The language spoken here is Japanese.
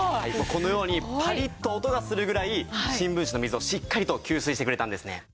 このようにパリッと音がするぐらい新聞紙の水をしっかりと吸水してくれたんですね。